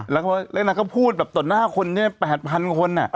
แล้วนางก็พูดแบบต่อหน้าคนเนี่ย๘๐๐๐คนอ่ะ